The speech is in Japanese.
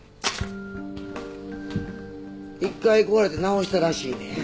１回壊れて直したらしいのや。